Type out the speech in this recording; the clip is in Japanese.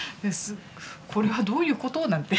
これはどういうこと？なんて